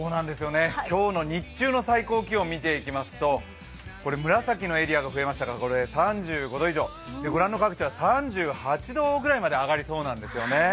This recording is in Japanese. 今日の日中の最高気温見ていきますとこれ紫のエリアが増えましたから３５度以上、御覧の各地は３８度くらいまで上がりそうなんですよね。